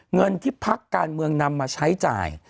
เงินที่พักการเมืองนำมาใช้จ่าย